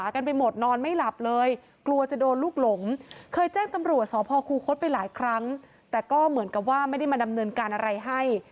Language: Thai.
เคยแจ้งตำรวจสคคไปหลายครั้งแต่ก็เหมือนกับว่าไม่ได้มาดำเนินการอะไรให้